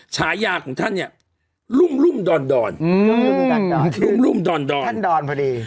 ฉายาของท่านเนี่ยรุ่มดอนดอนรุ่มดอนท่านดอนพอดี